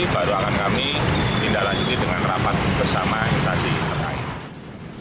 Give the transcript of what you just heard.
baru akan kami pindah lanjut dengan rapat bersama instasi terakhir